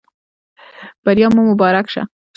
بریا مو مبارک شه